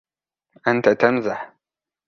أنت تمزح!